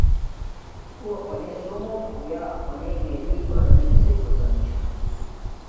تو اپناݵ سوموک یا اپانی میلی بارانا کسک پسند چھا؟